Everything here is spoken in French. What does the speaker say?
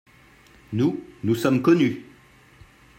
Nous, nous sommes connus.